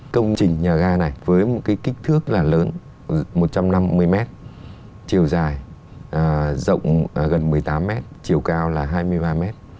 công trình nhà ga này với một cái kích thước là lớn một trăm năm mươi m chiều dài rộng gần một mươi tám m chiều cao là hai mươi ba m